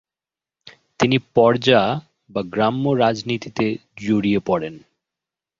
তিনি পর্জা বা গ্রাম্য রাজনীতিতে জড়িয়ে পড়েন।